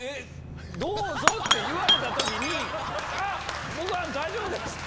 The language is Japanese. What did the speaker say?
どうぞ！って言われた時に僕は大丈夫です！って。